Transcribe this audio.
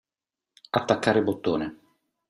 Attaccare bottone.